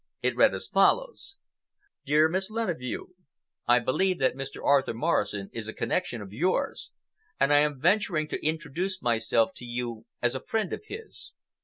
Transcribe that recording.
It read as follows: DEAR MISS LENEVEU, I believe that Mr. Arthur Morrison is a connection of yours, and I am venturing to introduce myself to you as a friend of his.